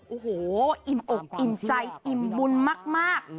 โอ้โหอิ่มอกอิ่มใจอิ่มบุญมาก